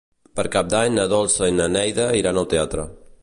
Per Cap d'Any na Dolça i na Neida iran al teatre.